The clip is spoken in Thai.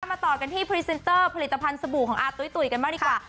มาต่อกันที่พรีเซนเตอร์ผลิตภัณฑ์สบู่ของอาตุ้ยตุ๋ยกันบ้างดีกว่า